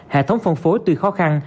hệ thống phân phối tuy khó khăn